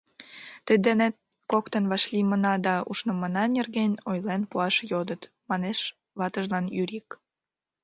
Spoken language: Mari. — Тый денет коктын вашлиймына да ушнымына нерген ойлен пуаш йодыт, — манеш ватыжлан Юрик.